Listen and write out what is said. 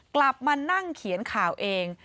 กลับมานั่งเขียนข่าวเอง